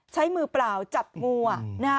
ใช้มือเปล่าจัดงูอ่ะ